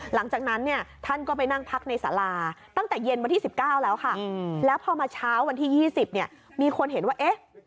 หลังจากนั้นเนี่ยท่านก็ไปนั่งพักในสาราตั้งแต่เย็นวันที่๑๙แล้วค่ะแล้วพอมาเช้าวันที่๒๐เนี่ยมีคนเห็นว่าเอ๊ะ